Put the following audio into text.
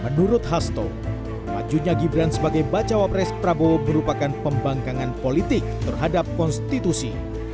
menurut hasto majunya gibran sebagai bacawa pres prabowo merupakan pembangkangan politik terhadap konstitusi